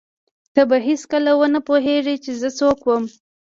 ته به هېڅکله ونه پوهېږې چې زه څوک وم.